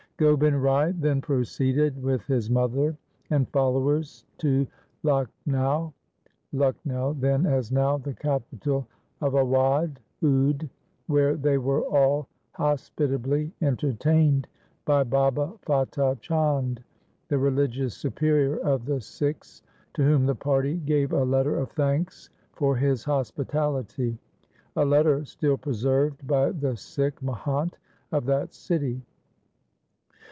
Gobind Rai then proceeded with his mother and followers to Lakhnau (Lucknow), then as now the capital of Awadh (Oude), where they were all hos pitably entertained by Baba Fatah Chand, the religious superior of the Sikhs, to whom the party gave a letter of thanks for his hospitality — a letter still preserved by the Sikh Mahant of that city.